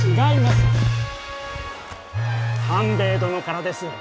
官兵衛殿からです。